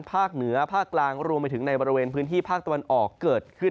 ภาคเหนือภาคกลางรวมไปถึงในบริเวณพื้นที่ภาคตะวันออกเกิดขึ้น